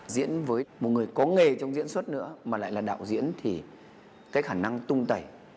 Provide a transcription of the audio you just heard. diễn với một người có nghề trong diễn xuất nữa mà lại là đạo diễn thì cái khả năng tung tẩy